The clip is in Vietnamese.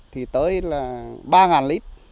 thì tới là ba nghìn lít